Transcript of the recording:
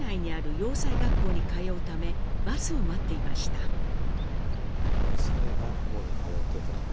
洋裁学校に通ってたんだ。